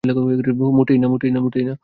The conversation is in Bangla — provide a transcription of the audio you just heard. মোটেই না।